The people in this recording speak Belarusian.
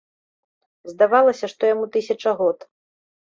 Здавалася, што яму тысяча год.